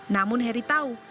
namun heri tahu